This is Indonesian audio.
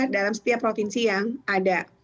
dalam setiap provinsi yang ada